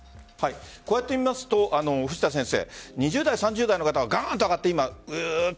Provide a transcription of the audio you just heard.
こうやってみますと、藤田先生２０代、３０代の方は上がっている。